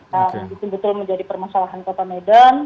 yang dituntut menjadi permasalahan kota medan